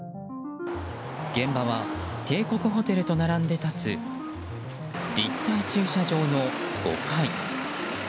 現場は帝国ホテルと並んで立つ立体駐車場の５階。